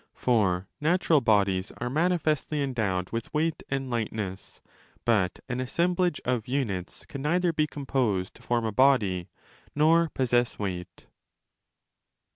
For natural bodies are manifestly endowed with weight and lightness, but an assemblage of units can neither be composed to form a body nor possess weight.